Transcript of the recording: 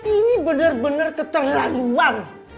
ini bener bener keterlaluan